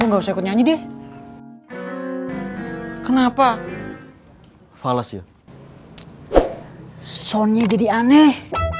enggak usah nyanyi deh kenapa fales ya sony jadi aneh